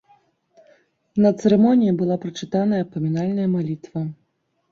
На цырымоніі была прачытаная памінальная малітва.